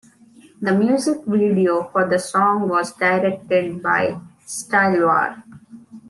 The music video for the song was directed by Stylewar.